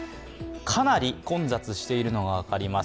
かなり混雑しているのが分かります。